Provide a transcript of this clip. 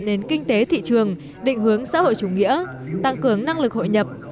nền kinh tế thị trường định hướng xã hội chủ nghĩa tăng cường năng lực hội nhập